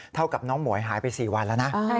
เท่ากับน้องหมวยหายไป๔วันแล้วนะ